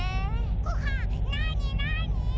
ごはんなになに？